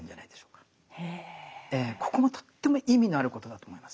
ここもとっても意味のあることだと思います。